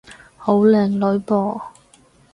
好靚女噃